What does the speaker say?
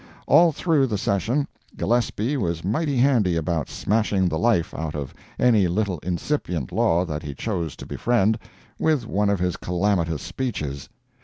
All through the session Gillespie was mighty handy about smashing the life out of any little incipient law that he chose to befriend, with one of his calamitous speeches.